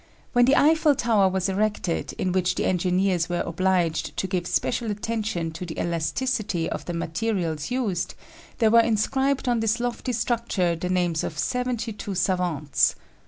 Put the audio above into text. When the Eiffel tower was erected, in which the engineers were obliged to give special attention to the elasticity of the materials used, there were inscribed on this lofty structure the names of seventy two savants.